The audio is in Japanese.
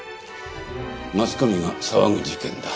マスコミが騒ぐ事件だ。